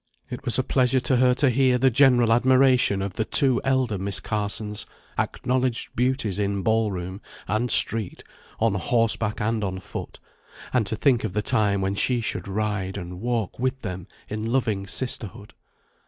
It was a pleasure to her to hear the general admiration of the two elder Miss Carsons, acknowledged beauties in ball room and street, on horseback and on foot, and to think of the time when she should ride and walk with them in loving sisterhood.